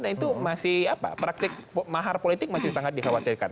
nah itu masih apa praktik mahar politik masih sangat dikhawatirkan